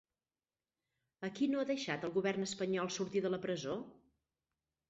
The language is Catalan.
A qui no ha deixat el govern espanyol sortir de la presó?